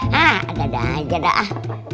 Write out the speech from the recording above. hah dadah aja dah